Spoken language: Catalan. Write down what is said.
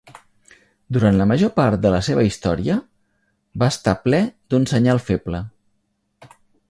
Durant la major part de la seva història, va estar ple d'un senyal feble.